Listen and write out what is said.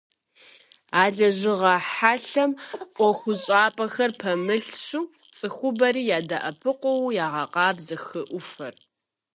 А лэжьыгъэ хьэлъэм ӀуэхущӀапӀэхэр пэмылъщу, цӀыхубэри ядэӀэпыкъуу ягъэкъабзэ хы Ӏуфэр.